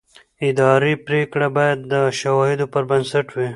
اداري پرېکړه باید د شواهدو پر بنسټ وي.